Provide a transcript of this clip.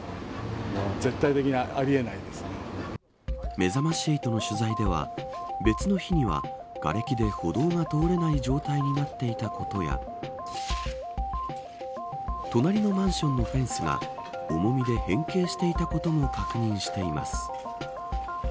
めざまし８の取材では別の日には、がれきで歩道が通れない状態になっていたことや隣のマンションのフェンスが重みで変形していたことも確認しています。